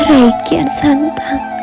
rai kian santang